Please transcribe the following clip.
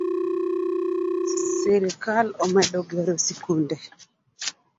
Sirikal omedo gero sikunde.